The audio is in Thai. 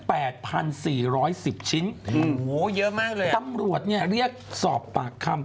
แปดพันสี่ร้อยสิบชิ้นโอ้โหเยอะมากเลยตำรวจเนี้ยเรียกสอบปากคำ